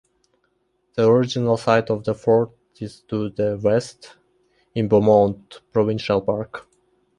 The original site of the fort is to the west, in Beaumont Provincial Park.